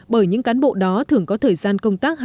bởi những cán bộ đó thường có thời gian công tác